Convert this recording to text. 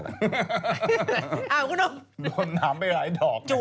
โดนน้ำไปหลายดอก